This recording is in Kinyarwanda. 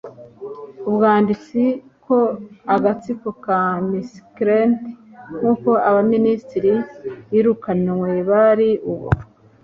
ubwanditsi ko agatsiko ka miscreant, nkuko abaminisitiri birukanwe bari ubu